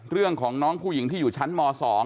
เรื่องของน้องผู้หญิงที่อยู่ชั้นม๒